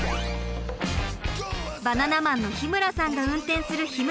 バナナマンの日村さんが運転するひむ